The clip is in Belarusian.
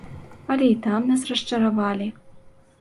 Але і там нас расчаравалі.